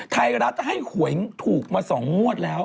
ไทยรัฐให้หวยถูกมา๒งวดแล้ว